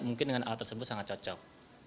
mungkin dengan alat tersebut sangat cocok